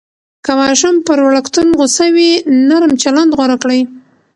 که ماشوم پر وړکتون غوصه وي، نرم چلند غوره کړئ.